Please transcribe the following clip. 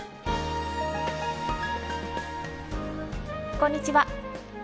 こんにちは。